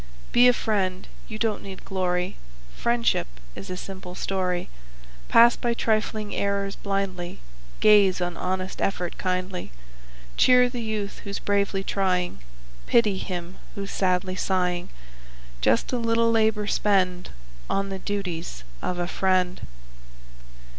Be a friend. You don't need glory. Friendship is a simple story. Pass by trifling errors blindly, Gaze on honest effort kindly, Cheer the youth who's bravely trying, Pity him who's sadly sighing; Just a little labor spend On the duties of a friend.